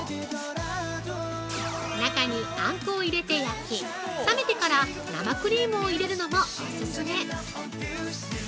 中にあんこを入れて焼き冷めてから生クリームを入れるのもオススメ。